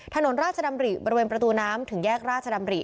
ถนนราชดำริบริเวณประตูน้ำถึงแยกราชดำริ